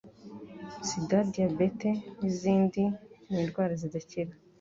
sida diyabete nizindi n'indwara zidakira